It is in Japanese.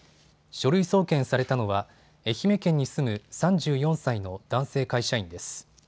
書類送検されたのは愛媛県に住む３４歳の男性会社員です。